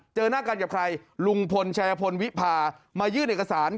เจอหน้ากันกับใครลุงพลชายพลวิพามายื่นเอกสาร